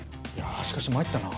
しかし参ったな。